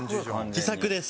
自作です。